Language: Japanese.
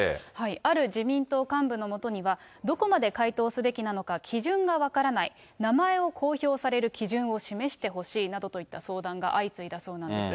ある自民党幹部のもとには、どこまで回答すべきなのか基準が分からない、名前を公表される基準を示してほしいなどといった相談が相次いだそうなんです。